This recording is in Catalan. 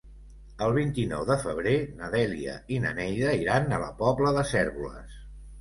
El vint-i-nou de febrer na Dèlia i na Neida iran a la Pobla de Cérvoles.